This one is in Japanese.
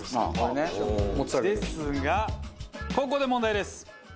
ですがここで問題です。